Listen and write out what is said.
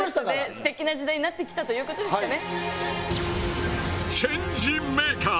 すてきな時代になってきたということですかね。